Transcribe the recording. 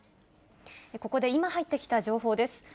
ここで今入ってきた情報です。